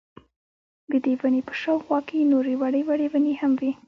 ددې وني په شاوخوا کي نوري وړې وړې وني هم وې